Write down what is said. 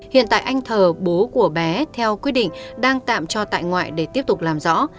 hiện tại anh thờ bố của bé theo quyết định đang tạm cho tại ngoại để tiếp tục làm rõ